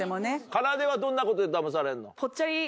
かなではどんなことでダマされるの？